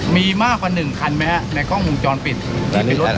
ที่ปราตรรวจการเราวงจรปิดที่ปรากฏ